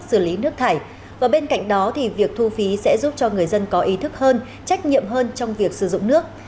xử lý nước thải và bên cạnh đó thì việc thu phí sẽ giúp cho người dân có ý thức hơn trách nhiệm hơn trong việc sử dụng nước